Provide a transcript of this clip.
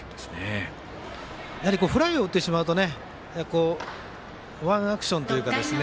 やはりフライを打ってしまうとワンアクションというかですね